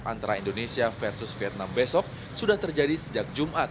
antara indonesia versus vietnam besok sudah terjadi sejak jumat